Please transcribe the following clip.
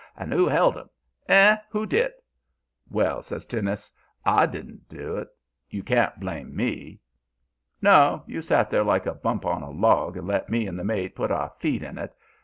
'And who 'eld 'em? 'Ey? Who did?' "'Well,' says Teunis, 'I didn't do it. You can't blame me.' "'No. You set there like a bump on a log and let me and the mate put our feet in it.